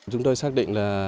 chúng tôi xác định là